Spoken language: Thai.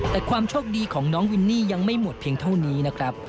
แต่ความโชคดีของน้องวินนี่ยังไม่หมดเพียงเท่านี้นะครับ